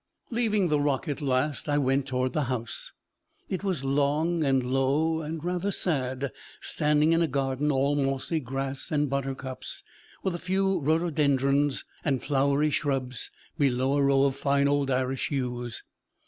Leaving the rock at last, I went toward the house. It was long and low and rather sad, standing in a garden all mossy grass and buttercups, with a few rhododendrons and flowery shrubs, below a row of fine old Irish yews.